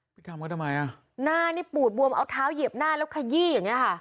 ไปทำเขาทำไมอ่ะหน้านี่ปูดบวมเอาเท้าเหยียบหน้าแล้วขยี้อย่างเงี้ค่ะ